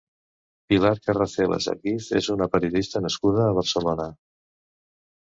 Pilar Carracelas Argiz és una periodista nascuda a Barcelona.